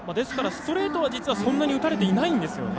ストレートは実はそんなに打たれていないんですよね。